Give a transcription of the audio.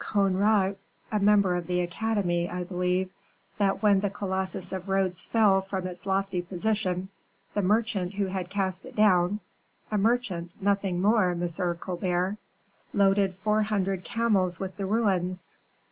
Conrart, a member of the academy, I believe, that when the Colossus of Rhodes fell from its lofty position, the merchant who had cast it down a merchant, nothing more, M. Colbert loaded four hundred camels with the ruins.